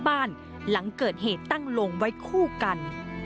บ้านหลังเกิดเหตุตั้งโลงไว้คู่กัน